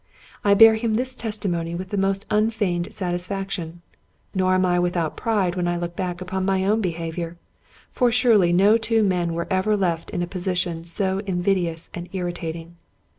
I bear him this testimony with the most unfeigned satisfaction; nor am I without pride when I look back upon my own behavior. For surely no two men were ever left in a position so invidious and irritating.